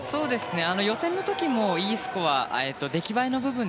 予選の時もＥスコア出来栄えの部分